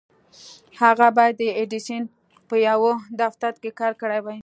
هغه بايد د ايډېسن په يوه دفتر کې کار کړی وای.